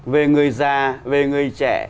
về người già về người trẻ